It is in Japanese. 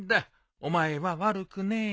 お前は悪くねえよ。